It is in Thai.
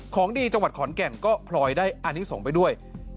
ของดีจังหวัดขอนแก่นก็พลอยได้อันนี้ส่งไปด้วย